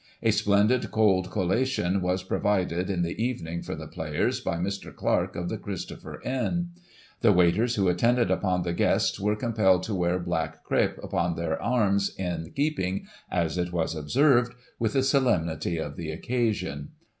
A splendid cold collation was pro vided, in the evening, for the players, by Mr. Clarke, of the Christopher Inn. The waiters who attended upon the guests were compelled to wear black crape around their arms, 'in keeping,' as it was observed, * with the solemnity of the occasion.'